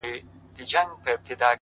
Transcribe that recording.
مثبت انسان د ستونزو ترمنځ فرصت مومي’